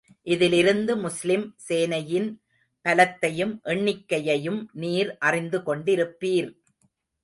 இதிலிருந்து முஸ்லிம் சேனையின் பலத்தையும், எண்ணிக்கையையும் நீர் அறிந்து கொண்டிருப்பீர்.